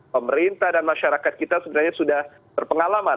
pemerintah dan masyarakat kita sebenarnya sudah berpengalaman